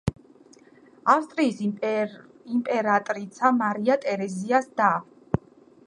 ავსტრიის იმპერატრიცა მარია ტერეზიას და.